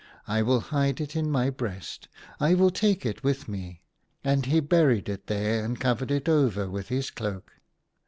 I will hide it in my breast : I will take it with me." And he buried it there, and covered it over with his cloak.